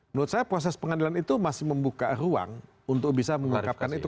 menurut saya proses pengadilan itu masih membuka ruang untuk bisa mengungkapkan itu